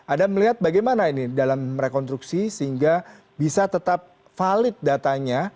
anda melihat bagaimana ini dalam rekonstruksi sehingga bisa tetap valid datanya